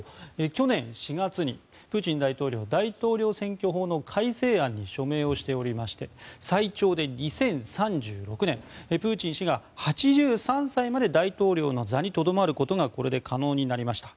去年４月にプーチン大統領大統領選挙法の改正案に署名しておりまして最長で２０３６年プーチン氏が８３歳まで大統領の座にとどまることがこれで可能になりました。